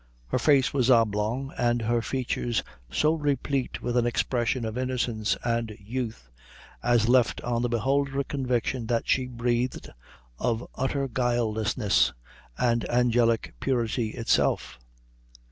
Her face was oblong, and her features so replete with an expression of innocence and youth, as left on the beholder a conviction that she breathed of utter guilelessness and angelic purity itself.